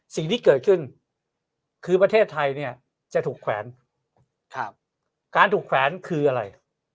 สิ่งที่เกิดขึ้นคือประเทศไทยเนี่ยจะถูกแขวนการถูกแขวนคืออะไร